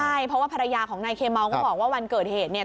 ใช่เพราะว่าภรรยาของนายเคเมาก็บอกว่าวันเกิดเหตุเนี่ย